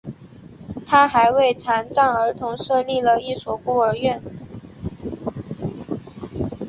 他还为残障儿童设立了一所孤儿院。